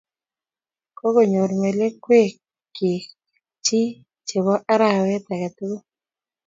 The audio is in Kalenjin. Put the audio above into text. Kakonyor melekwokik chii chebo arawet age tugul